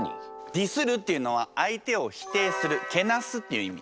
「ディスる」っていうのは相手を否定するけなすっていう意味。